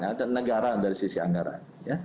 atau negara dari sisi anggaran